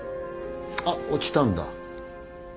あっ落ちたんだ。